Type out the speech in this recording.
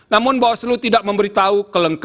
namun bawaslu tidak memberitahu kelengkapan